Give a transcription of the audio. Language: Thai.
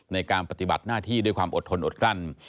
ในการปฏิบัติหน้าที่ด้วยความอดทนอดกลั้น